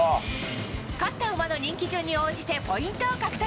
勝った馬の人気順に応じてポイントを獲得。